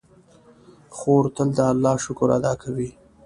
خور تل د الله شکر ادا کوي.